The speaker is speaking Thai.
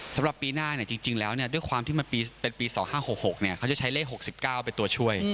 สำหรับปีหน้าจริงแล้วด้วยความที่มันเป็นปี๒๕๖๖เขาจะใช้เลข๖๙เป็นตัวช่วย